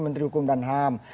menteri hukum dan ham